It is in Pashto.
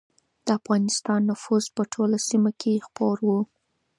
د افغانستان نفوذ په ټوله سیمه کې خپور و.